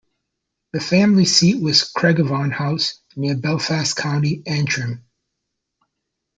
The family seat was Craigavon House, near Belfast, County Antrim.